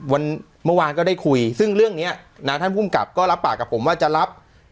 เมื่อวานก็ได้คุยซึ่งเรื่องนี้นะท่านภูมิกับก็รับปากกับผมว่าจะรับ